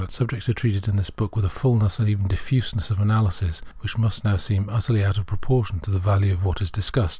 Subjects are treated in the book with a fullness, and even diffuseness of analysis, which must now seem utterly out of proportion to the value of what is discussed.